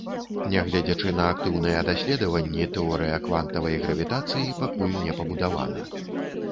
Нягледзячы на актыўныя даследаванні, тэорыя квантавай гравітацыі пакуль не пабудавана.